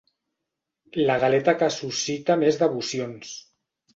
La galeta que suscita més devocions.